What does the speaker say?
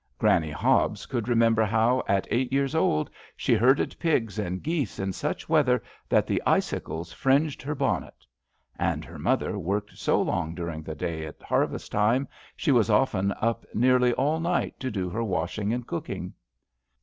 Granny Hobbes could remember how at eight years old she herded pigs and geese in such weather that the icicles fringed her bonnet. And her mother worked so long during the day at harvest time, she was often up nearly all night to do her washing and cooking.